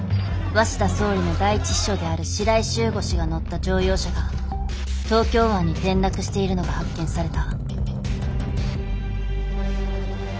鷲田総理の第一秘書である白井柊吾氏が乗った乗用車が東京湾に転落しているのが発見された。